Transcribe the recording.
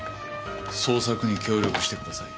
捜索に協力してください。